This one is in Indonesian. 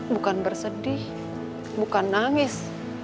bukan bersedih bukan nangis